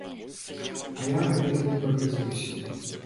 А я на гэта не пагадзіўся.